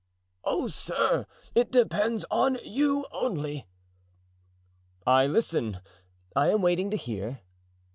"Oh, sir! it depends on you only." "I listen—I am waiting to hear."